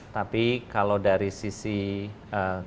tapi kalau dari sisi kami melayani